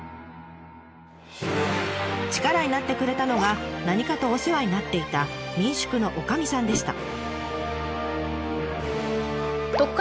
力になってくれたのが何かとお世話になっていた民宿の女将さんでした。